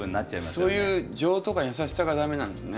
そういう情とか優しさが駄目なんですね。